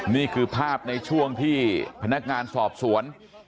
นี่คือภาพในช่วงที่พนักงานสอบสวน